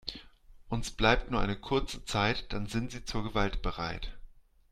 Uns bleibt nur eine kurze Zeit, dann sind sie zur Gewalt bereit.